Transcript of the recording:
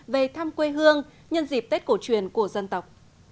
về thăm quê hương nhân dịp tết cổ truyền của dân tộc